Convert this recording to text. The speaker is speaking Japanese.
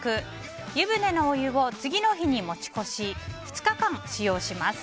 湯船のお湯を次の日に持ち越し２日間、使用します。